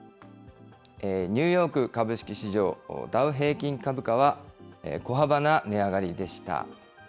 ニューヨーク株式市場、ダウ平均株価は、小幅な値上がりでした。